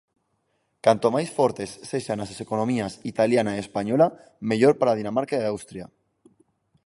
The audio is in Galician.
Canto máis fortes sexan as economías italiana e española, mellor para Dinamarca e Austria.